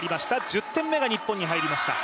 １０点目が日本に入りました。